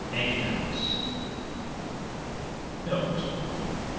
Egg dance. 'N. [Note.